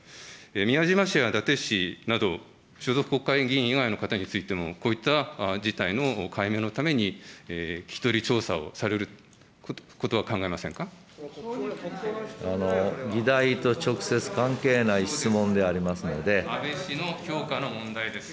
宮島氏や伊達氏など、所属国会議員以外の方についても、こういった事態の解明のために、聞き取り調査をされることは考え議題と直接関係ない質問であ安倍氏の評価の問題です。